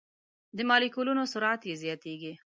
د مالیکولونو سرعت یې زیاتیږي.